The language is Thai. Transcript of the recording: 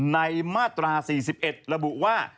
มาตรา๔๑ระบุว่า